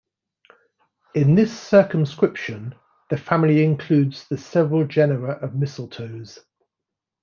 In this circumscription, the family includes the several genera of mistletoes.